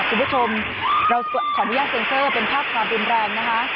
คุณผู้ชมเราขออนุญาตเซ็นเซอร์เป็นภาพความรุนแรงนะคะ